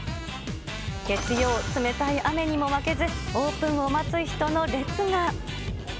月曜、冷たい雨にも負けず、オープンを待つ人の列が。